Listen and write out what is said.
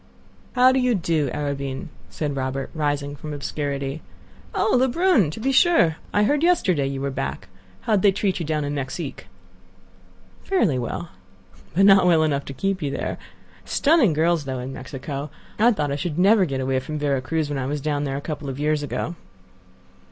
"How do you do, Arobin?" said Robert, rising from the obscurity. "Oh! Lebrun. To be sure! I heard yesterday you were back. How did they treat you down in Mexique?" "Fairly well." "But not well enough to keep you there. Stunning girls, though, in Mexico. I thought I should never get away from Vera Cruz when I was down there a couple of years ago."